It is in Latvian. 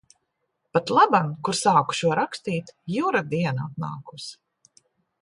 Patlaban, kur sāku šo rakstīt, Jura diena atnākusi.